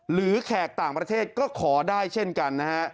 แขกต่างประเทศก็ขอได้เช่นกันนะฮะ